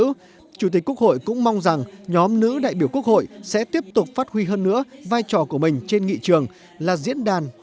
chủ tịch quốc hội cũng mong rằng nhóm nữ đại biểu quốc hội sẽ tiếp tục phát huy hơn nữa vai trò của mình trên nghị trường là diễn đàn